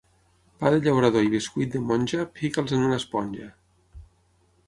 Pa de llaurador i bescuit de monja, fica'ls en una esponja.